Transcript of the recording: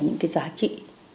những cái giá trị